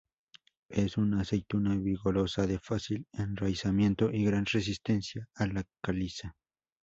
Es una aceituna vigorosa, de fácil enraizamiento y gran resistencia a la caliza.